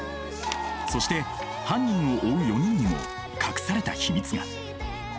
そして犯人を追う４人にも隠された秘密が。